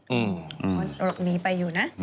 อืมอันนี้ไปอยู่นะ